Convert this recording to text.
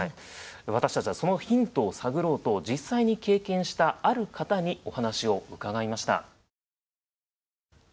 私たちはそのヒントを探ろうと実際に経験したある方にお話を伺いました。